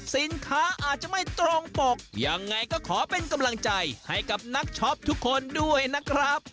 สินค้าอาจจะไม่ตรงปกยังไงก็ขอเป็นกำลังใจให้กับนักช็อปทุกคนด้วยนะครับ